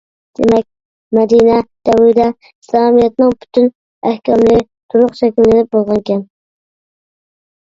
دېمەك، مەدىنە دەۋرىدە ئىسلامىيەتنىڭ پۈتۈن ئەھكاملىرى تولۇق شەكىللىنىپ بولغانىكەن.